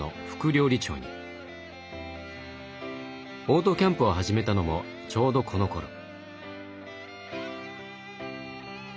オートキャンプを始めたのもちょうどこのころ。